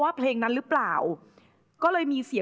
อยากหยุดหวั่นเวลาได้ไหว